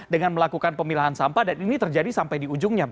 dengan melakukan pemilahan sampah dan ini terjadi sampai di ujungnya